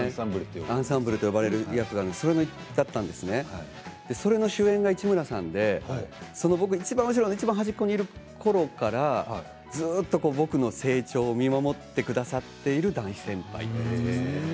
アンサンブルといわれる役なんですけれどそこの主演が市村さんで僕がいちばん後ろのいちばん端っこにいるころからずっと僕の成長を見守ってくださっている、大先輩です。